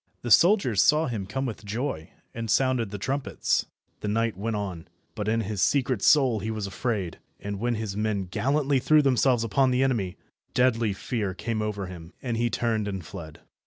The soldiers saw him come with joy, and sounded the trumpets. The knight went on, but in his secret soul he was afraid, and when his men gallantly threw themselves upon the enemy, deadly fear came over him, and he turned and fled.